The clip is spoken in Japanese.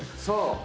そう！